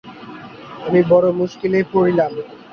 আমি বড়ো মুশকিলেই পড়িলাম।